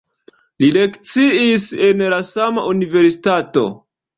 Li lekciis en la sama universitato.